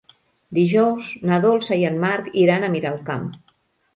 Dijous na Dolça i en Marc iran a Miralcamp.